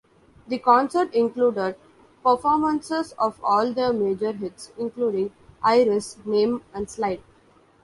The concert included performances of all their major hits, including "Iris", "Name", and "Slide".